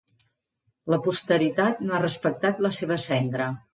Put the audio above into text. La posteritat no ha respectat la seva cendra.